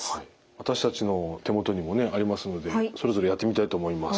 私たちの手元にもねありますのでそれぞれやってみたいと思います。